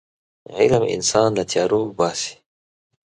علم انسان له تیارو وباسي.